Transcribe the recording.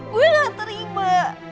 gue gak terima